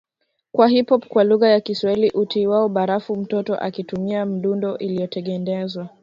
wa Hip Hop kwa lugha ya Kiswahili uitwao barafu mtoto akitumia mdundo iliyotengenezwa